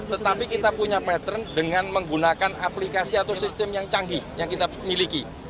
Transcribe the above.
tetapi kita punya pattern dengan menggunakan aplikasi atau sistem yang canggih yang kita miliki